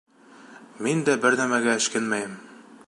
Мин дә бер нәмәгә эшкинмәйем.